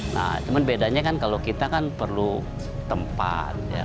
nah cuma bedanya kan kalau kita kan perlu tempat